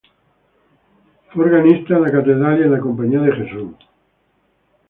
Fue organista en la Catedral y en la Compañía de Jesús.